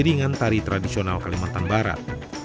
iringan tari tradisional kalimantan barat